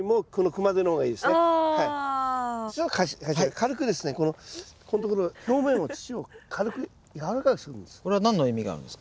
軽くですねここん所表面を土を軽く軟らかくするんです。